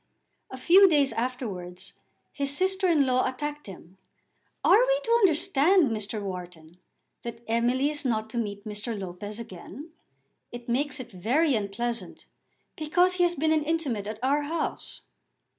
A few days afterwards his sister in law attacked him. "Are we to understand, Mr. Wharton, that Emily is not to meet Mr. Lopez again? It makes it very unpleasant, because he has been intimate at our house."